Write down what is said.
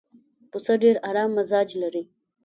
پسه ډېر ارام مزاج لري.